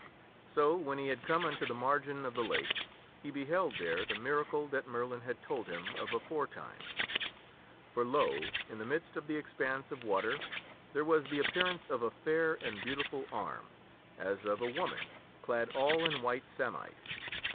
So when he had come unto the margin of the lake he beheld there the miracle that Merlin had told him of aforetime. For, lo ! in the midst of the expanse of water there was the appearance of a fair and beautiful arm, as of a woman, clad all in white samite.